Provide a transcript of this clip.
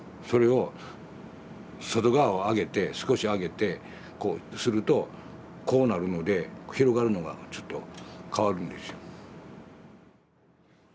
それを外側を上げて少し上げてこうするとこうなるので広がるのがちょっと変わるんですよ。